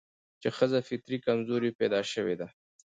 چې ښځه فطري کمزورې پيدا شوې ده